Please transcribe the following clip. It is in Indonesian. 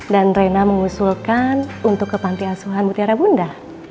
dan rena mengusulkan untuk ke panti asuhan mutiara bunda